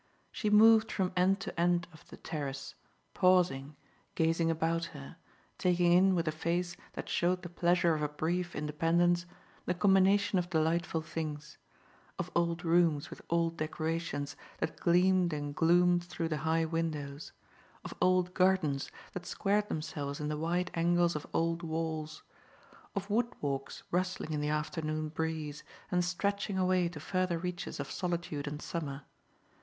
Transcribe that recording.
She moved from end to end of the terrace, pausing, gazing about her, taking in with a face that showed the pleasure of a brief independence the combination of delightful things of old rooms with old decorations that gleamed and gloomed through the high windows, of old gardens that squared themselves in the wide angles of old walls, of wood walks rustling in the afternoon breeze and stretching away to further reaches of solitude and summer.